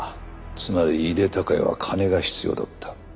つまり井手孝也は金が必要だった。